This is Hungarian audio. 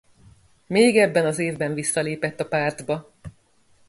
Még ebben az évben visszalépett a pártba.